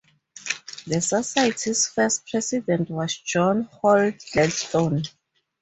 The Society's first president was John Hall Gladstone.